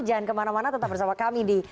jangan kemana mana tetap bersama kami di